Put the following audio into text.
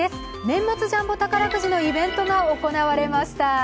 年末ジャンボ宝くじのイベントが行われました。